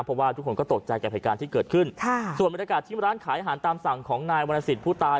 เพราะว่าทุกคนก็ตกใจกับเหตุการณ์ที่เกิดขึ้นค่ะส่วนบรรยากาศที่ร้านขายอาหารตามสั่งของนายวรรณสิทธิ์ผู้ตาย